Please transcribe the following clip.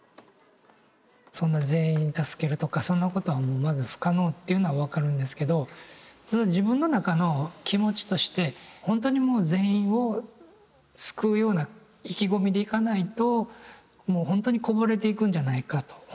そんな全員助けるとかそんなことはまず不可能っていうのは分かるんですけどただ自分の中の気持ちとしてほんとにもう全員を救うような意気込みでいかないともうほんとにこぼれていくんじゃないかと。